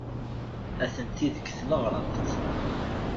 Atenti deg tneɣraft.